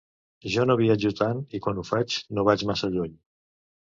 Ja no viatjo tant i quan ho faig, no vaig massa lluny.